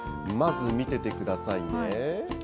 まず見ててくださいね。